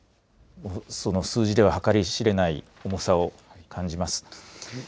その数字では計り知れない重さを感じます。